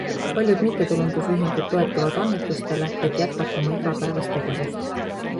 Paljud mittetulundusühingud toetuvad annetustele, et jätkata oma igapäevast tegevust